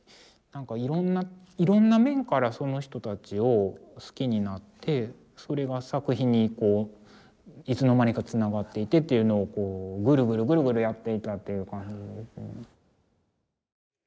いろんな面からその人たちを好きになってそれが作品にこういつの間にかつながっていてっていうのをこうグルグルグルグルやっていたっていう感じ。